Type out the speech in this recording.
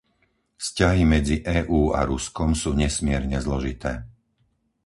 Vzťahy medzi EÚ a Ruskom sú nesmierne zložité.